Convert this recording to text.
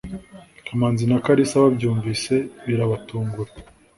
kamanzi na kalisa babyumvise birabatungura